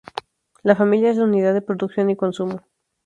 La familia es la unidad de producción y consumo.